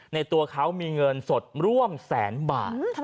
ตัวเขามีเงินสดร่วมแสนบาท